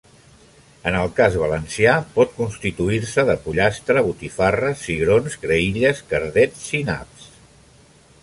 En el cas valencià, pot constituir-se de pollastre, botifarres, cigrons, creïlles, cardets, naps.